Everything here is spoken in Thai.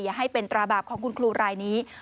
ให้เป็นตราบาปของคุณครูรายนี้